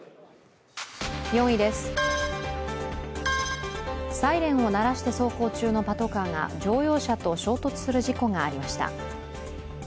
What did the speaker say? ４位です、サイレンを鳴らして走行中のパトカーが乗用車と衝突する事故がありました。